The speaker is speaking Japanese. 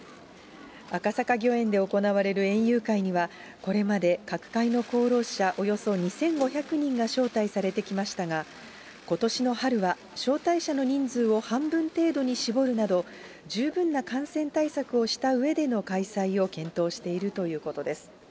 赤坂御苑で行われる園遊会には、これまで各界の功労者およそ２５００人が招待されてきましたが、ことしの春は、招待者の人数を半分程度に絞るなど、十分な感染対策をしたうえでの開催を検討しているということです。